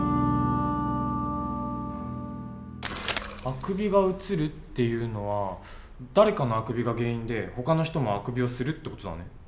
「あくびがうつる」っていうのは誰かのあくびが原因でほかの人もあくびをするって事だね？